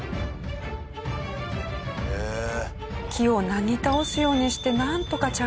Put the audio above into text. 木をなぎ倒すようにしてなんとか着地。